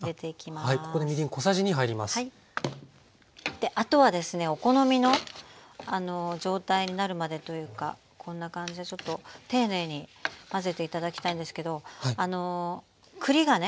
であとはですねお好みの状態になるまでというかこんな感じでちょっと丁寧に混ぜて頂きたいんですけど栗がね